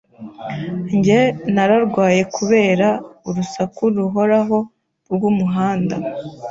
Njye nararwaye kubera urusaku ruhoraho rwumuhanda.